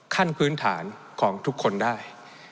ขั้นพื้นฐานของทุกคนได้